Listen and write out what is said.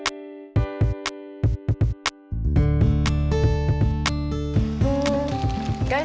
eh mau kemana